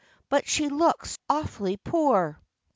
But she looks awfully poor."